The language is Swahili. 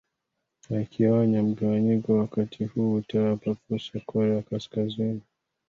akionya mgawanyiko wakati huu utawapa fursa korea kaskazini